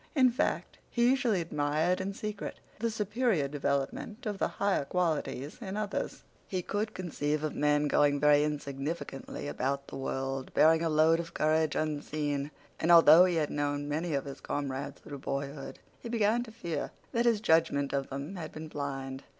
In fact, he usually admired in secret the superior development of the higher qualities in others. He could conceive of men going very insignificantly about the world bearing a load of courage unseen, and although he had known many of his comrades through boyhood, he began to fear that his judgment of them had been blind.